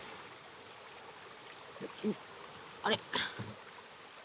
あれ。